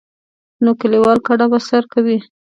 نو کلیوال کډه په سر کوي.